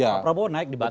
pak prabowo naik di banten